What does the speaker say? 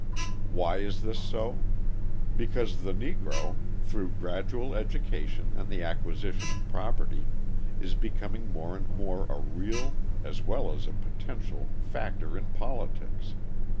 Why is this so? Because the Negro, through gradual education and the acquisition of property, is becoming more and more a real as well as a potential factor in politics.